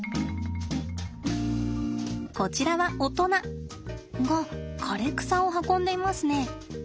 こちらは大人が枯れ草を運んでいますね。